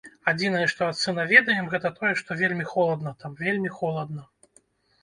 Адзінае, што ад сына ведаем, гэта тое, што вельмі холадна там, вельмі холадна.